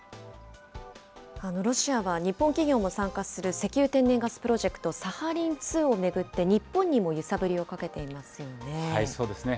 ロシアは日本企業も参加する石油・天然ガスプロジェクト、サハリン２を巡って、日本にも揺さぶりをかけていますよね。